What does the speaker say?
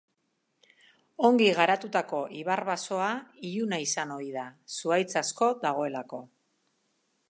Ongi garatutako ibar-basoa iluna izan ohi da, zuhaitz asko dagoelako.